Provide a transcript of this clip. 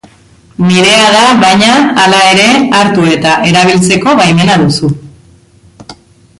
Nirea da baina, hala ere, hartu eta erabiltzeko baimena duzu